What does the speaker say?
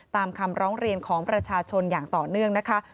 ตามคำร้องเรียนของประชาชนอย่างต่อเนื่องนะคะ